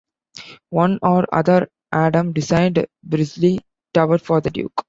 One or other Adam designed Brizlee Tower for the duke.